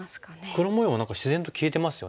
黒模様も何か自然と消えてますよね。